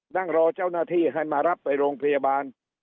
นั่งรอเจ้าหน้าที่ให้มารับไปโรงพยาบาล